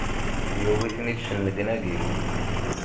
Yewwi-ten-id cennegnagi!